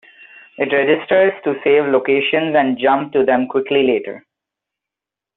It registers to save locations and jump to them quickly later.